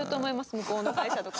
向こうの会社とかに。